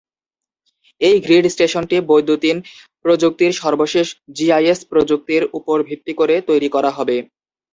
এই গ্রিড স্টেশনটি বৈদ্যুতিন প্রযুক্তির সর্বশেষ জিআইএস প্রযুক্তির উপর ভিত্তি করে তৈরি করা হবে।